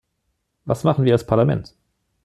Was machen wir als Parlament?